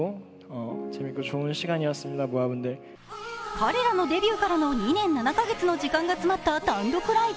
彼らのデビューからの２年７カ月の時間が詰まった単独ライブ。